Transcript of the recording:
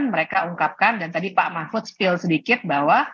mereka ungkapkan dan tadi pak mahfud spill sedikit bahwa